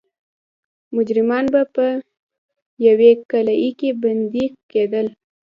مجرمان به په یوې قلعې کې بندي کېدل.